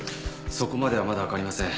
そこまではまだわかりません。